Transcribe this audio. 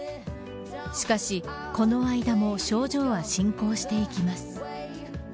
しかし、この間も症状は進行していきます。